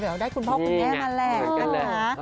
เดี๋ยวได้คุณพ่อคุณแม่นั่นแหละนะคะ